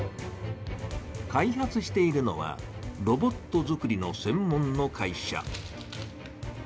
開発しているのはロボットづくりの専門の会社。